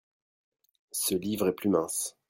Ce livre est plus mince.